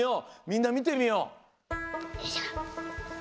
みんなみてみよう。